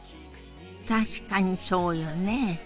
確かにそうよね。